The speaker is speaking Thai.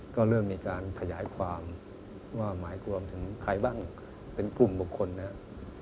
ก็เริ่มมีการขยายความว่าหมายความถึงใครบ้างเป็นกลุ่มบุคคลนะครับ